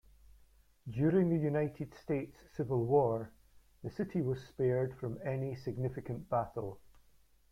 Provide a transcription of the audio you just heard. During the United States Civil War, the city was spared from any significant battle.